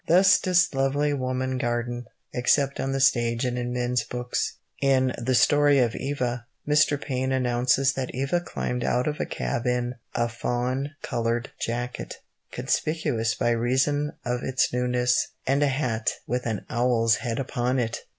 Thus does lovely woman garden, except on the stage and in men's books. In The Story of Eva, Mr. Payne announces that Eva climbed out of a cab in "a fawn coloured jacket," conspicuous by reason of its newness, and a hat "with an owl's head upon it!"